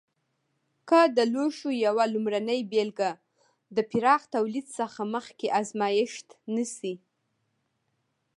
که د لوښو یوه لومړنۍ بېلګه د پراخ تولید څخه مخکې ازمېښت نه شي.